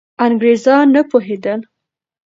انګریزان نه پوهېدل.